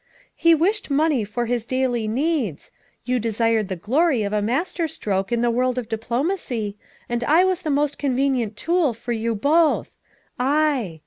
He wished money for his daily needs ; you desired the glory of a masterstroke in the world of diplomacy, and I was the most convenient tool for you both I.